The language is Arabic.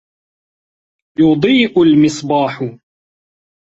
يُضِيءُ الْمِصْبَاحُ.